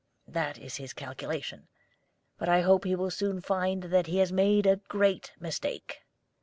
That is his calculation. But I hope he will soon find that he has made a great mistake."